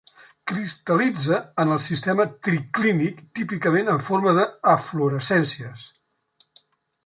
Cristal·litza en el sistema triclínic típicament en forma d'eflorescències.